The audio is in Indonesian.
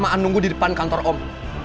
tidak ma'an tunggu di depan kantor om